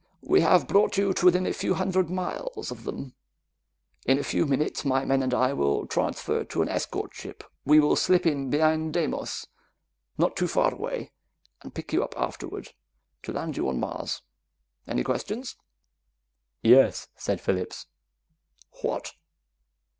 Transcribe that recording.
We have brought you to within a few hundred miles of them. "In a few minutes, my men and I will transfer to an escort ship. We will slip in behind Deimos, not too far away, and pick you up afterward to land you on Mars. Any questions?" "Yes," said Phillips. "What?"